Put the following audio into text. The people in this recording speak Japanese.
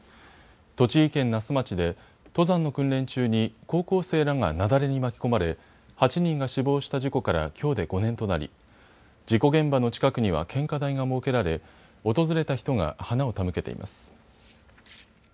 栃木県那須町で登山の訓練中に高校生らが雪崩に巻き込まれ８人が死亡した事故からきょうで５年となり事故現場の近くには献花台が設けられ訪れた人が花を手向けています。